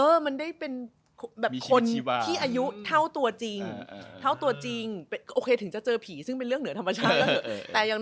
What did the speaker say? อิ่มตัวจากการเป็นผี